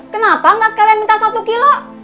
kenapa enggak sekalian minta satu kilo